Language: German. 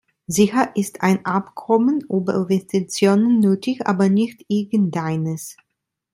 Sicher ist ein Abkommen über Investitionen nötig, aber nicht irgendeines.